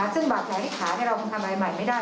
ซึ่งบัตรแหละที่ขาเราควรทำใหม่ไม่ได้